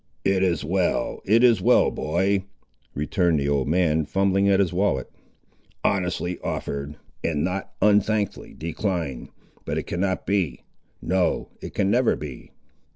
"It is well—it is well, boy," returned the old man, fumbling at his wallet; "honestly offered, and not unthankfully declined—but it cannot be; no, it can never be."